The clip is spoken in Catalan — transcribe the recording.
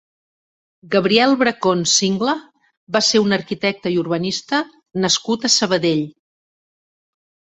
Gabriel Bracons Singla va ser un arquitecte i urbanista nascut a Sabadell.